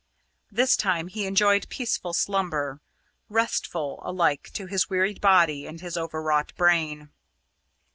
This time he enjoyed peaceful slumber, restful alike to his wearied body and his overwrought brain.